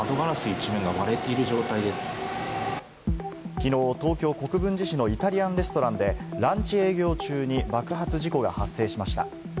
きのう東京・国分寺市のイタリアンレストランでランチ営業中に爆発事故が発生しました。